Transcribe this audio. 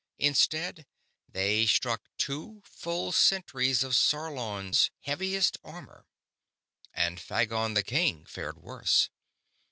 Instead, they struck two full centuries of Sarlon's heaviest armor! And Phagon the King fared worse.